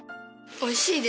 おいしい？